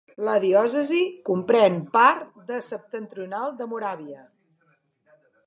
La diòcesi comprèn part de septentrional de Moràvia.